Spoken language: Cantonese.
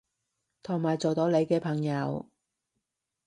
同埋做到你嘅朋友